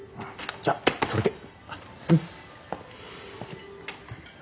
じゃっそれで。